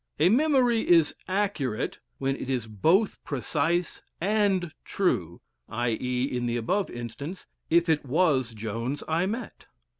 A memory is "accurate" when it is both precise and true, i.e. in the above instance, if it was Jones I met.